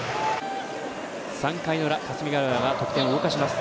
３回の裏、霞ヶ浦が得点を動かします。